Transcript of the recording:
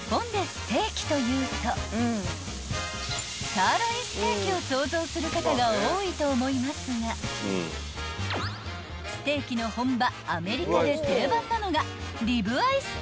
［サーロインステーキを想像する方が多いと思いますがステーキの本場］